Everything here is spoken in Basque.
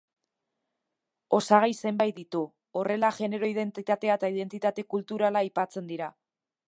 Osagai zenbait ditu; horrela, genero-identitatea eta identitate kulturala aipatzen dira.